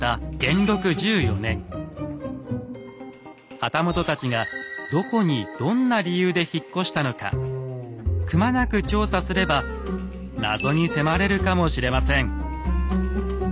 旗本たちがどこにどんな理由で引っ越したのかくまなく調査すれば謎に迫れるかもしれません。